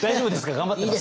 頑張ってます？